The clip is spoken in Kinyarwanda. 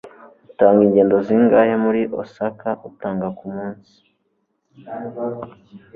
Utanga ingendo zingahe muri Osaka utanga kumunsi?